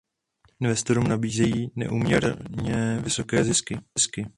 Investorům nabízejí neúměrně vysoké zisky.